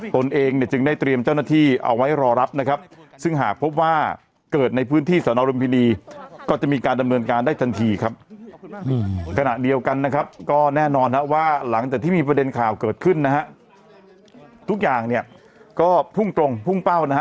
การประกันตัวชั่วคราวเกิดขึ้นนะฮะทุกอย่างเนี่ยก็พุ่งตรงพุ่งเป้านะฮะ